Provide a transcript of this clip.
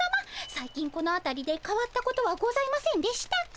最近このあたりでかわったことはございませんでしたか？